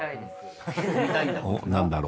お何だろう？